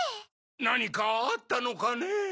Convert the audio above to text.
なにかあったのかねぇ。